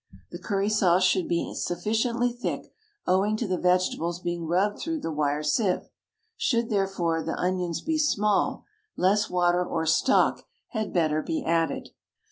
The curry sauce should be sufficiently thick owing to the vegetables being rubbed through the wire sieve. Should therefore the onions be small, less water or stock had better be added.